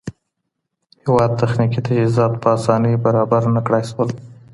هيواد تخنيکي تجهيزات په اسانۍ برابر نه کړای سول.